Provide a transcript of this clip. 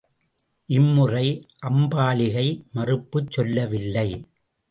இம்முறை அம்பாலிகை மறுப்புச் சொல்லவில்லை.